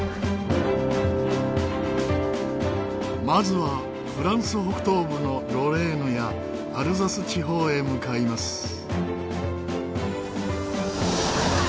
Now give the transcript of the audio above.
まずはフランス北東部のロレーヌやアルザス地方へ向かいます。